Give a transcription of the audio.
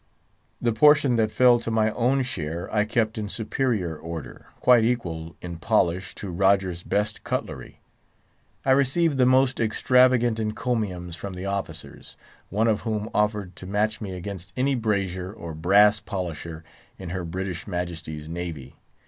The portion that fell to my own share I kept in superior order, quite equal in polish to Rogers's best cutlery. I received the most extravagant encomiums from the officers; one of whom offered to match me against any brazier or brass polisher in her British Majesty's Navy.